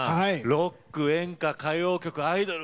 ロック演歌歌謡曲アイドル